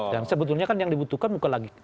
dan sebetulnya kan yang dibutuhkan bukan lagi